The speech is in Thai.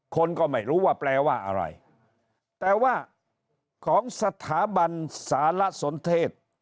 คนก็ไม่รู้ว่าแปลว่าอะไรแต่ว่าของสถาบันสารสนเทศ